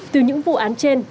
từ những vụ án trên